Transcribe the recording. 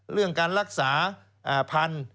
เรื่องการรักษาพันธุ์